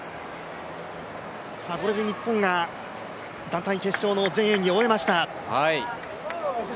これで日本が団体決勝の全演技終えました。